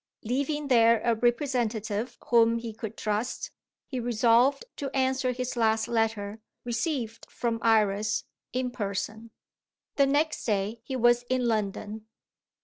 Leaving there a representative whom he could trust, he resolved to answer his last letter, received from Iris, in person. The next day he was in London.